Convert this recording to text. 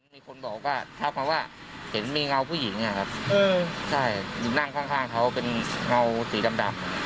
มีคนบอกว่าทักมาว่าเห็นมีเงาผู้หญิงนะครับใช่นั่งข้างเขาเป็นเงาสีดำ